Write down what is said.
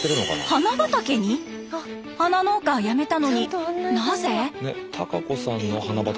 花農家をやめたのになぜ？